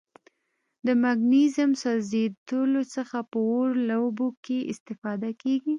د مګنیزیم سوځیدلو څخه په اور لوبو کې استفاده کیږي.